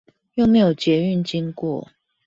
又沒有捷運經過